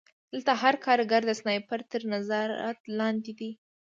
دلته هر کارګر د سنایپر تر نظارت لاندې دی